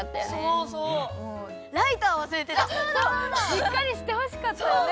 しっかりしてほしかったよね